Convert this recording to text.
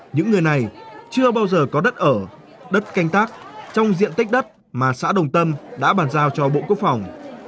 những người này chưa bao giờ có đất ở đất canh tác trong diện tích đất mà xã đồng tâm đã bàn giao cho bộ quốc phòng